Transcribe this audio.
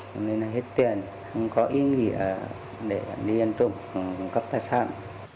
cho nên là hết tiền không có ý nghĩa để đi ăn trùm các tài sản